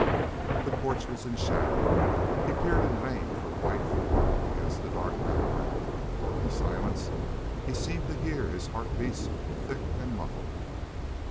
The porch was in shadow. He peered in vain for the white form against the dark background. In the silence he seemed to hear his heart beats thick and muffled.